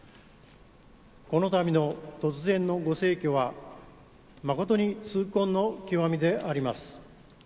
このたびの突然のご逝去はまことに痛恨の極みであります。